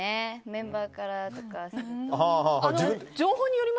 メンバーからよく。